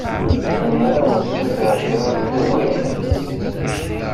Lemmer ad wen-ssutreɣ kra ad tagim?